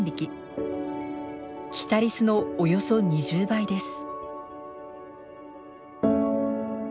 キタリスのおよそ２０倍です。